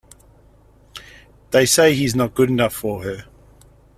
They say he’s not good enough for her.